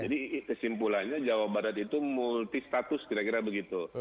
jadi kesimpulannya jawa barat itu multi status kira kira begitu